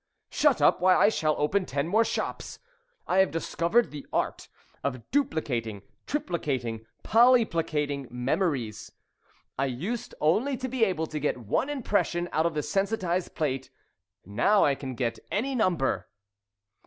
"Shut up! Why, I shall open ten more shops. I have discovered the art of duplicating, triplicating, polyplicating memories. I used only to be able to get one impression out of the sensitised plate, now I can get any number."